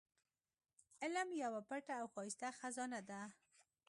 علم يوه پټه او ښايسته خزانه ده.